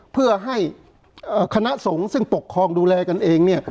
เพื่อให้คณะสงฆ์ซึ่งปกครองดูแลกันเองเนี่ย